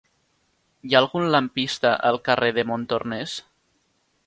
Hi ha algun lampista al carrer de Montornès?